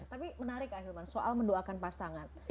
tapi menarik ah hilman soal mendoakan pasangan